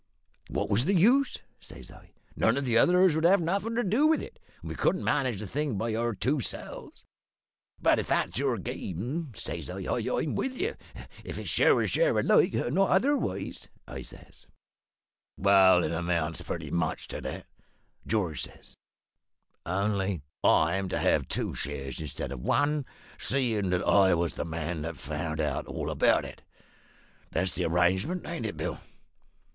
"`What was the use?' says I. `None of the others 'd have nothin' to do with it, and we couldn't manage the thing by our two selves. But if that's your game,' says I, `I'm in with you if it's share and share alike; not otherwise,' I says. "`Well, it amounts pretty much to that,' George says, `only I'm to have two shares instead of one, seein' that I was the man that found out all about it. That's the arrangement, ain't it, Bill?'